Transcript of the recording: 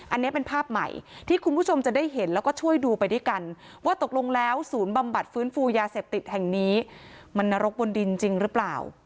อันนี้เป็นภาพใหม่ที่คุณผู้ชมจะได้เห็นแล้วก็ช่วยดูไปด้วยกันว่าตกลงแล้วศูนย์บำบัดฟื้นฟูยาเสพติดแห่งนี้มันนรกบนดินจริงหรือเปล่า